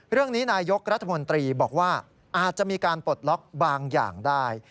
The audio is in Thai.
เรื่องนี้นายกรัฐมนตรีบอกว่าอาจจะมีการปลดล็อกบางอย่างได้